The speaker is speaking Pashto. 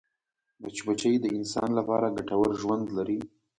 مچمچۍ د انسان لپاره ګټور ژوند لري